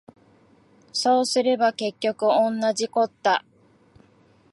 そうすれば結局おんなじこった